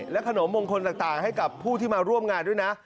ขนมมงคลต่างให้กับผู้ที่มาร่วมงานด้วยนะ